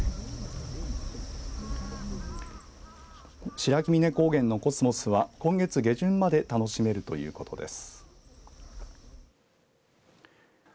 白木峰高原のコスモスは今月下旬まで楽しめるということです。